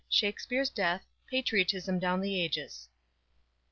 SHAKSPERE'S DEATH. PATRIOTISM DOWN THE AGES.